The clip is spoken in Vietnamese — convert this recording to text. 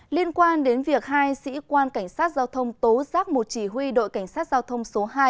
liên quan đến việc hai sĩ quan cảnh sát giao thông tố giác một chỉ huy đội cảnh sát giao thông số hai